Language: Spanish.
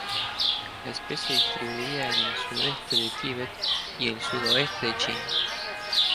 La especie está distribuida en el sudeste del Tíbet y el sudoeste de China.